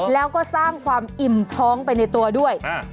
แล้วก็สร้างความอิ่มท้องไปในตัวด้วย